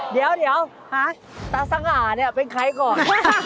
เดี๋ยวตาสง่าเนี่ยเป็นใครก่อน